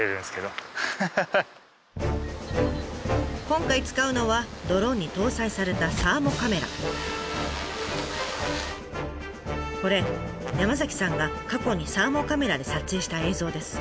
今回使うのはドローンに搭載されたこれ山さんが過去にサーモカメラで撮影した映像です。